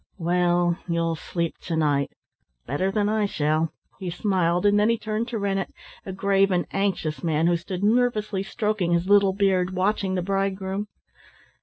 "Well, you'll sleep to night better than I shall," he smiled, and then he turned to Rennett, a grave and anxious man, who stood nervously stroking his little beard, watching the bridegroom.